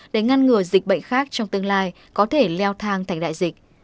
để ngăn ngừa dịch bệnh khác trong tương lai có thể leo thang thành đại dịch